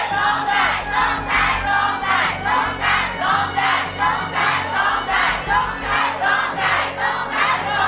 หนูใจ